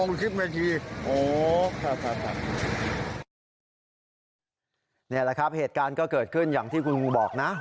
นี่แหละครับเหตุการณ์ก็เกิดขึ้นอย่างที่คุณงูบอกนะ